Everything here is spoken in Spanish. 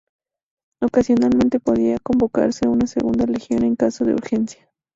Ocasionalmente podía convocarse una segunda legión en caso de urgencia.